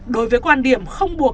đối với quan điểm không buộc